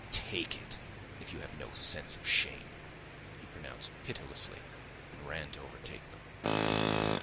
"Take it, if you have no sense of shame!" he pronounced pitilessly, and ran to overtake them.